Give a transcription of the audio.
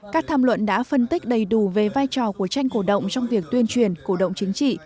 các tham luận đã phân tích đầy đủ về vai trò của tranh cổ động trong việc tuyên truyền cổ động chính trị